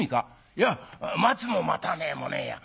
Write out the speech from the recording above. いや待つも待たねえもねえや。